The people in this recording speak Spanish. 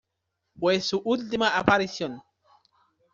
Fue su última aparición.